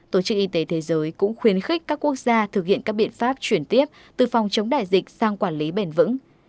tổ chức y tế thế giới cũng khuyến khích các quốc gia thực hiện các biện pháp chuyển tiếp từ phòng chống đại dịch sang quản lý bền vững